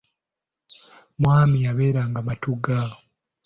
Mwami yabeeranga Matugga.